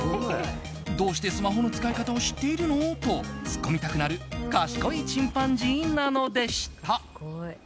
どうしてスマホの使い方を知っているの？とツッコみたくなる賢いチンパンジーなのでした。